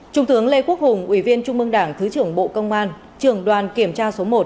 trung tướng lê quốc hùng ủy viên trung mương đảng thứ trưởng bộ công an trường đoàn kiểm tra số một